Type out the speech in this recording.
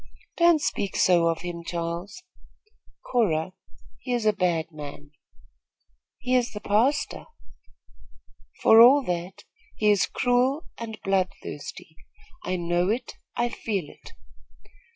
"Don't speak so of him, Charles." "Cora, he is a bad man." "He is the pastor." "For all that, he is cruel and bloodthirsty. I know it. I feel it."